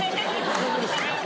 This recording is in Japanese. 大丈夫ですか？